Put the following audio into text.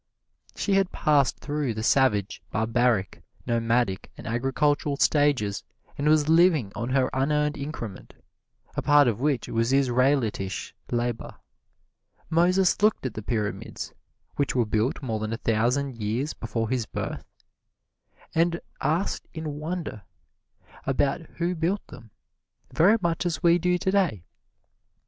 She had passed through the savage, barbaric, nomadic and agricultural stages and was living on her unearned increment, a part of which was Israelitish labor. Moses looked at the Pyramids, which were built more than a thousand years before his birth, and asked in wonder about who built them, very much as we do today.